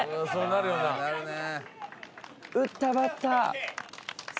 「なるね」